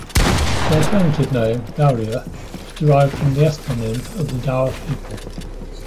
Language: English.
The alternative name, Dauria, is derived from the ethnonym of the Daur people.